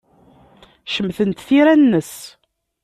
Cemtent tira-nnes.